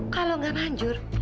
kalau enggak manjur